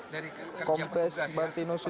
dari kerja petugas ya